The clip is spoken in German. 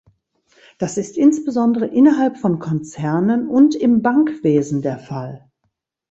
Das ist insbesondere innerhalb von Konzernen und im Bankwesen der Fall.